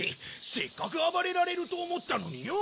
せっかく暴れられると思ったのによ。